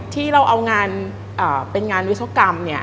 ที่เราเอางานเป็นงานวิศวกรรมเนี่ย